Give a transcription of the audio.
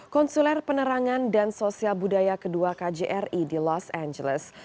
konsuler penerangan dan sosial budaya kedua kjri di los angeles